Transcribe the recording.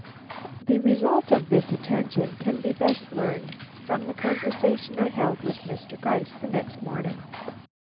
The result of this attention can be best learned from the conversation I held with Mr. Gryce the next morning.